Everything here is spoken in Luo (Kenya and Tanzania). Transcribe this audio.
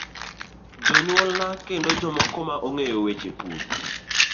Jonyuolna kendo jomoko ma ong'eyo weche pur.